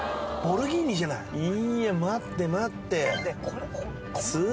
いや待って待って。